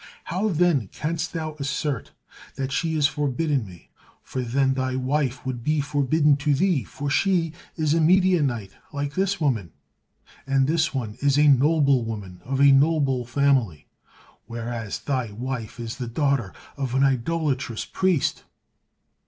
How then canst thou assert that she is forbidden me, for then thy wife would be forbidden to thee, for she is a Midianite like this woman, and this one is a noble woman of a noble family, whereas thy wife is the daughter of an idolatrous priest."